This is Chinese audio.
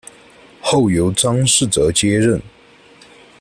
后由张世则接任。